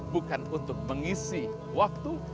bukan untuk mengisi waktu